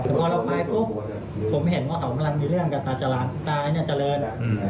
เป็นพอเราไปปุ๊บผมเห็นว่าเขากำลังมีเรื่องตาสหรังตาด้านนี้เจริญ